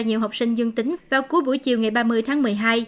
nhiều học sinh dương tính vào cuối buổi chiều ngày ba mươi tháng một mươi hai